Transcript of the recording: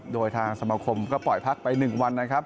โดยทางสมคมก็ปล่อยพักไปหนึ่งวัน